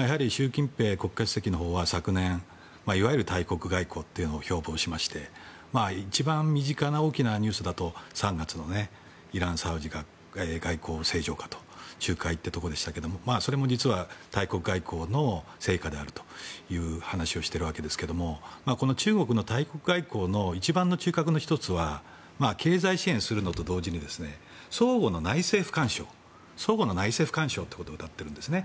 やはり習近平国家主席のほうは昨年、いわゆる大国外交を標榜しまして一番身近な大きなニュースだと３月の、イランとサウジの国交正常化の仲介でしたがそれも実は大国外交の成果であるという話をしているわけですがこの中国の大国外交の一番の中核の１つは経済支援するのと同時に相互の内政不干渉をうたっているんですね。